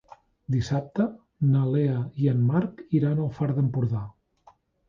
Dissabte na Lea i en Marc iran al Far d'Empordà.